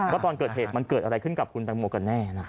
ว่าตอนเกิดเหตุมันเกิดอะไรขึ้นกับคุณตังโมกันแน่นะครับ